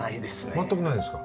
全くないですか